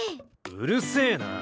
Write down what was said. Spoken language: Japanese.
うるせぇな。